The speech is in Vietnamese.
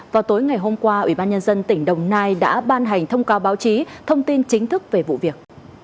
vào tối ngày hôm qua ủy ban nhân dân tỉnh đồng nai đã ban hành thông cáo báo chí thông tin chính thức về vụ việc